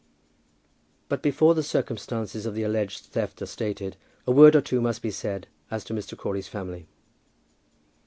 But before the circumstances of the alleged theft are stated, a word or two must be said as to Mr. Crawley's family.